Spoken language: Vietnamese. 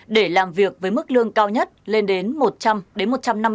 để làm việc với mức lương cao nhất lên đến một trăm linh một trăm năm mươi triệu đồng một tháng